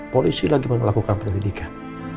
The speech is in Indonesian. polisi lagi mau melakukan perlindungan